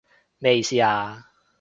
咩意思啊？